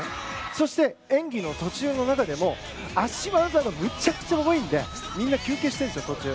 そして、演技の途中の中でも脚技が無茶苦茶うまいのでみんな休憩してるんです、途中。